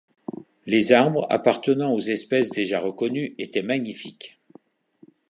Les arbres, appartenant aux espèces déjà reconnues, étaient magnifiques.